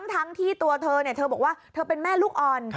ทั้งที่ตัวเธอเธอบอกว่าเธอเป็นแม่ลูกอ่อน